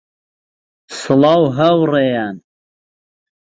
سڵاو هاوڕێیان